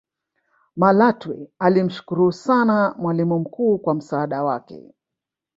malatwe alimshukru sana mwalimu mkuu kwa msaada wake